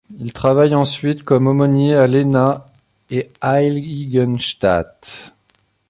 Il travaille ensuite comme aumônier à Iéna et Heiligenstadt.